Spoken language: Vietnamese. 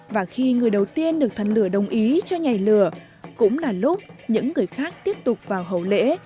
và khi người đầu tiên được thần lửa đồng ý cho nhảy lửa cũng là lúc những người khác tiếp tục vào hậu lễ